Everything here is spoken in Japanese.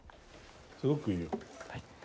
すごくいいよ。